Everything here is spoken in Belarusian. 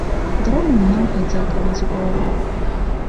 Дроў многа, дзякаваць богу.